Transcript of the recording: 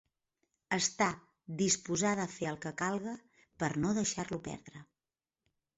Està disposada a fer el que calga per no deixar-lo perdre.